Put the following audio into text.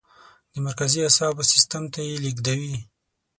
د مرکزي اعصابو سیستم ته یې لیږدوي.